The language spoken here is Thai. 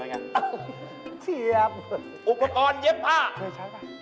เราส่งเพราะงั้น